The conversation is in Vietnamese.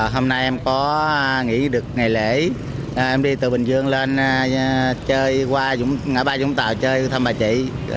hôm nay em có nghỉ được ngày lễ em đi từ bình dương lên chơi qua ngã ba vũng tàu chơi thăm bà chị